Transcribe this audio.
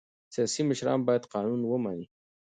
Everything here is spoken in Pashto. سیاسي مشران باید قانون ومني